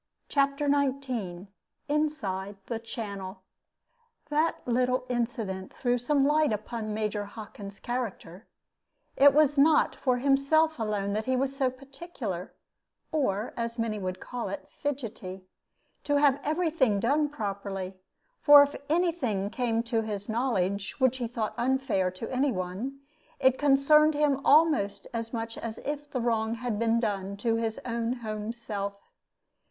CHAPTER XIX INSIDE THE CHANNEL That little incident threw some light upon Major Hockin's character. It was not for himself alone that he was so particular, or, as many would call it, fidgety, to have every thing done properly; for if any thing came to his knowledge which he thought unfair to any one, it concerned him almost as much as if the wrong had been done to his own home self.